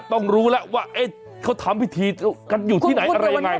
ต้องรู้แล้วว่าเขาทำพิธีกันอยู่ที่ไหนอะไรยังไง